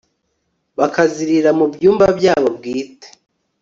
bakazirira mu byumba byabo bwite